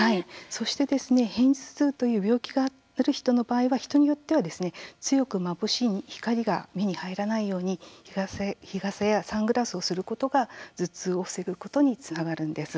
そして片頭痛という病気がある人の場合は人によっては強くまぶしい光が目に入らないように日傘やサングラスをすることが頭痛を防ぐことにつながるんです。